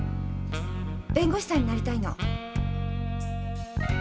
弁護士さんになりたいの。